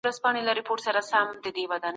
د ذمي حق ته درناوی پکار دی.